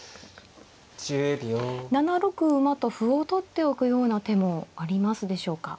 ７六馬と歩を取っておくような手もありますでしょうか。